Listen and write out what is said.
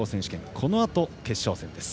このあと決勝戦です。